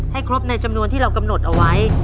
ครบในจำนวนที่เรากำหนดเอาไว้